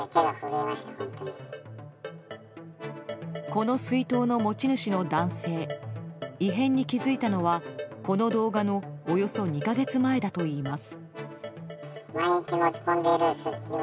この水筒の持ち主の男性異変に気付いたのはこの動画のおよそ２か月前だといいます。